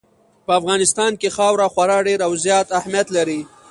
په افغانستان کې خاوره خورا ډېر او زیات اهمیت لري.